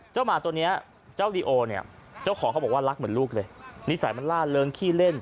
หมาตัวนี้เจ้าลีโอเนี่ยเจ้าของเขาบอกว่ารักเหมือนลูกเลยนิสัยมันล่าเริงขี้เล่น